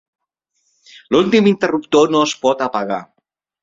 L'últim interruptor no es pot apagar.